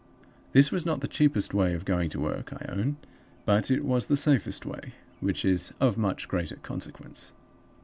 This was not the cheapest way of going to work, I own; but it was the safest way, which is of much greater consequence.